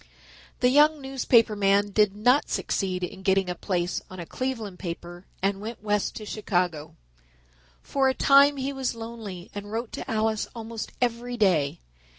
The young newspaper man did not succeed in getting a place on a Cleveland paper and went west to Chicago. For a time he was lonely and wrote to Alice almost every day.